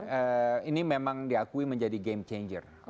dan ini memang diakui menjadi game changer